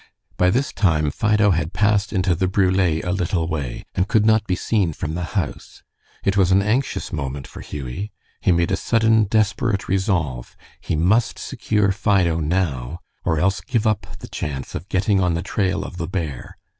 By this time Fido had passed into the brule a little way, and could not be seen from the house. It was an anxious moment for Hughie. He made a sudden desperate resolve. He must secure Fido now, or else give up the chance of getting on the trail of the bear.